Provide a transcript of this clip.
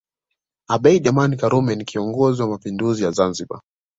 Abeid Amani Karume ni kiongozi wa Mapinduzi ya Zanzibar